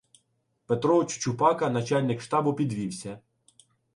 Петро Чучупака, начальник штабу, підвівся: